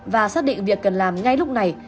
và xác định việc cần làm ngay lúc này